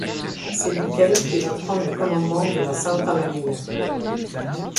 C'est donc elle qui va prendre le commandement de la Santa Maria …